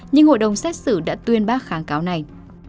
nhưng hội đồng xét xử đã tuyên bác kháng cáo này